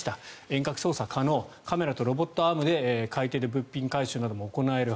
遠隔操作可能カメラとロボットアームで物品回収なども行える。